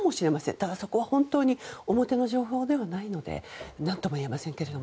ただ、そこは本当に表の情報ではないので何とも言えませんが。